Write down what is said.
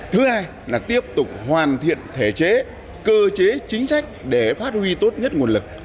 thứ hai là tiếp tục hoàn thiện thể chế cơ chế chính sách để phát huy tốt nhất nguồn lực